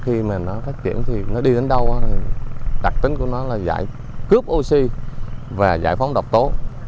khi mà nó phát triển thì nó đi đến đâu thì đặc tính của nó là giải cướp oxy và giải phóng độc tố